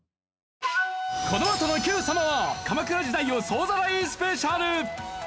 このあとの『Ｑ さま！！』は鎌倉時代を総ざらいスペシャル！